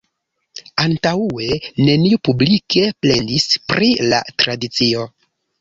Antaŭe, neniu publike plendis pri la tradicio.